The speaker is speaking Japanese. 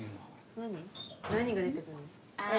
何が出て来るの？え！